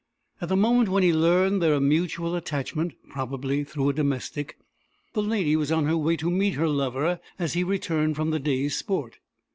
At the moment when he learned their mutual attachment, probably through a domestic, the lady was on her way to meet her lover as he returned from the day's sport.